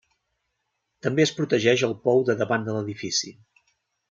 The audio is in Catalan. També es protegeix el pou de davant de l'edifici.